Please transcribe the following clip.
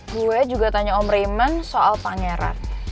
gue juga tanya om reman soal pangeran